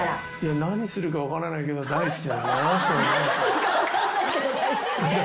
「何するか分からないけど大好き」？